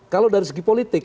kalau dari segi politik